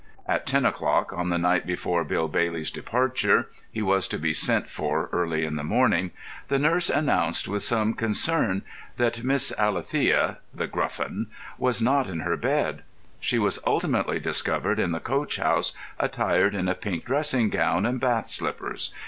At ten o'clock on the night before Bill Bailey's departure—he was to be sent for early in the morning—the nurse announced with some concern that Miss Alethea (The Gruffin) was not in her bed. She was ultimately discovered in the coach house, attired in a pink dressing gown and bath slippers.